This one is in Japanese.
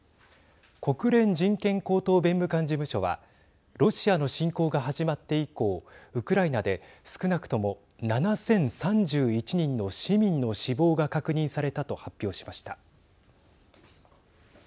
国連人権高等弁務官事務所はロシアの侵攻が始まって以降ウクライナで少なくとも７０３１人の市民の死亡が確認されたと発表しました。